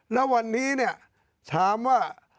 แล้ววันนี้เนี่ยถามว่า